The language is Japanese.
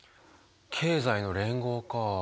経済の連合か。